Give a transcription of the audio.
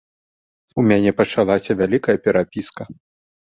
У мяне пачалася вялікая перапіска.